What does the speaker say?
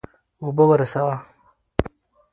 اوبه ورسوه.